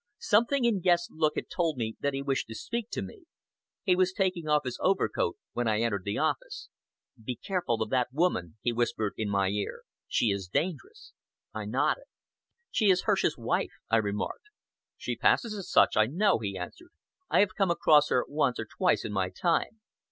Something in Guest's look had told me that he wished to speak to me. He was taking off his overcoat when I entered the office. "Be careful of that woman," he whispered in my ear. "She is dangerous." I nodded. "She is Hirsch's wife," I remarked. "She passes as such, I know," he answered. "I have come across her once or twice in my time.